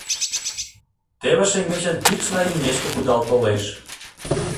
Теве шеҥгечын пикшла имнешке кудал толеш.